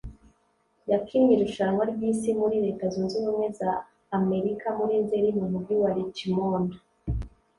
yakinnye irushanwa ry’Isi muri Leta Zunze Ubumwe za Amarika muri Nzeli mu Mujyi wa Richmond